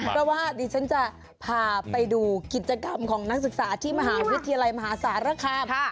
เพราะว่าดิฉันจะพาไปดูกิจกรรมของนักศึกษาที่มหาวิทยาลัยมหาสารคาม